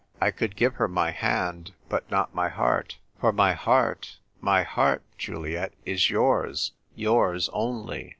I could give her my hand, but not my heart ; for my heart, my heart, Juliet, is yours — yours only."